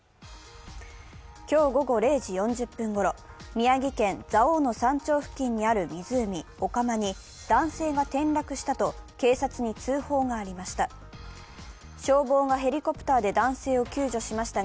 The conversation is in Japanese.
今日午後０時４０分ごろ、宮城県蔵王の山頂付近にある湖、お釜に男性が転落したと警察に通報がありました。